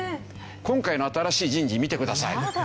今回の新しい人事見てください。